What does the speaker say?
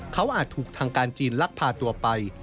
เขาอาจถูกทางการจีนลักพาตัวไป